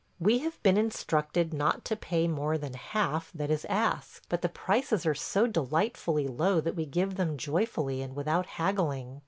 We have been instructed not to pay more than half that is asked, but the prices are so delightfully low that we give them joyfully, and without haggling.